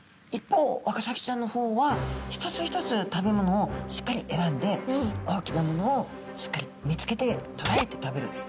一方ワカサギちゃんの方は一つ一つ食べものをしっかり選んで大きなものをしっかり見つけてとらえて食べる。